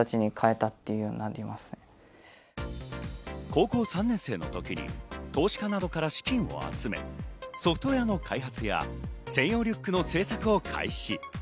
高校３年生の時に投資家などから資金を集め、ソフトウエアの開発や専用リュックの製作を開始。